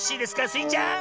スイちゃん？